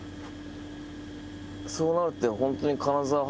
そうなるとホントに。